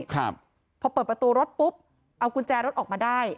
ครับพอเปิดประตูรถปุ๊บเอากุญแจรถออกมาได้